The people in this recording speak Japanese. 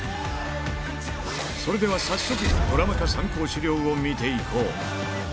それでは早速、ドラマ化参考資料を見ていこう。